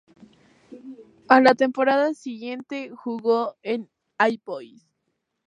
A la temporada siguiente jugó en All Boys.